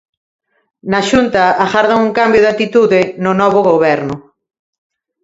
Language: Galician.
Na Xunta agardan un cambio de actitude no novo Goberno.